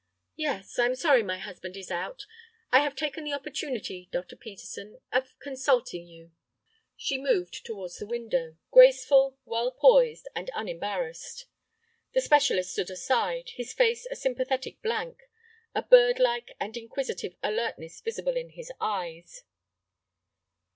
"Yes. I am sorry my husband is out. I have taken the opportunity, Dr. Peterson, of consulting you—" She moved towards the window, graceful, well poised, and unembarrassed. The specialist stood aside, his face a sympathetic blank, a birdlike and inquisitive alertness visible in his eyes.